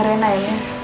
jagain rena ya